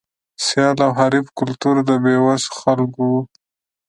سیال او حریف کلتور د بې وسو خلکو و.